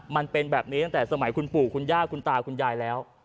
มันเป็นแบบนี้ตั้งแต่สมัยคุณปู่คุณย่าคุณตาคุณยายแล้ว